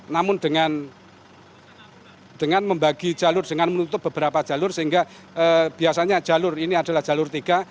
namun dengan membagi jalur dengan menutup beberapa jalur sehingga biasanya jalur ini adalah jalur tiga